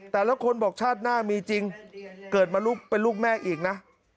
แต่ละคนบอกชาติหน้ามีจริงเกิดมาเป็นลูกแม่อีกนะ